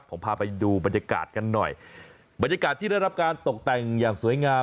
ผมพาไปดูบรรยากาศกันหน่อยบรรยากาศที่ได้รับการตกแต่งอย่างสวยงาม